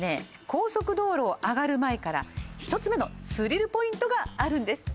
高速道路を上がる前から１つ目のスリルポイントがあるんです